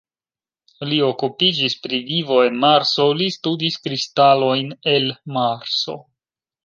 Li okupiĝis pri vivo en Marso, li studis kristalojn el Marso.